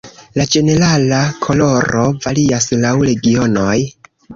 La ĝenerala koloro varias laŭ regionoj.